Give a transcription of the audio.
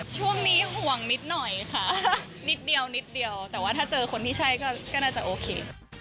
ช่วงนี้ห่วงนิดหน่อยค่ะนิดเดียวนิดเดียวแต่ว่าถ้าเจอคนที่ใช่ก็น่าจะโอเค